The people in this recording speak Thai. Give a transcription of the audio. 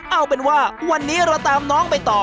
เอาเป็นว่าวันนี้เราตามน้องไปต่อ